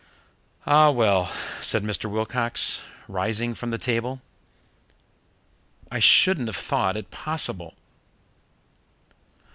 "Ah, well!" said Mr. Wilcox, rising from the table. "I shouldn't have thought it possible."